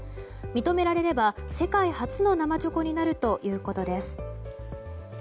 認められれば世界初の生チョコになるということです。